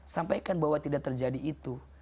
sampaikan bahwa tidak terjadi itu